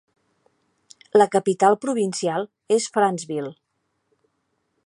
La capital provincial és Franceville.